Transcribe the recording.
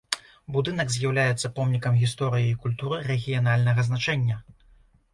Будынак з'яўляецца помнікам гісторыі і культуры рэгіянальнага значэння.